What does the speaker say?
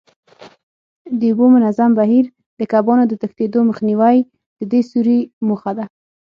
د اوبو منظم بهیر، د کبانو د تښتېدو مخنیوی د دې سوري موخه ده.